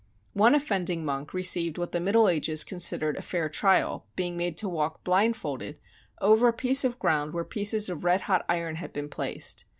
One of fending monk received what the Middle Ages con sidered a fair trial, being made to walk, blindfold, over a piece of ground where pieces of red hot iron had been placed.